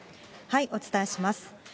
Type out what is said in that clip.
お伝えします。